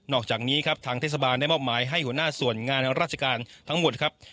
อกจากนี้ครับทางเทศบาลได้มอบหมายให้หัวหน้าส่วนงานราชการทั้งหมดครับ